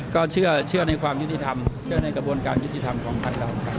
ก็เชื่อในความยุติธรรมเชื่อในกระบวนการยุติธรรมของท่านเรา